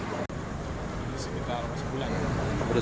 ini sekitar sebulan ya